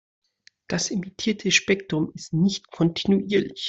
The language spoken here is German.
Das emittierte Spektrum ist nicht kontinuierlich.